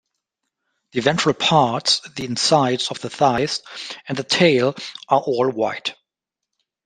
The ventral parts, the insides of the thighs and the tail are all white.